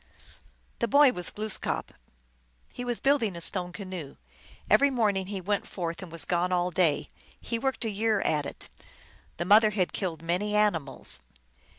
The boy was Glooskap. He was building a stone canoe. Every morning he went forth, and was gone all day. He worked a year at it. The mother had killed many animals.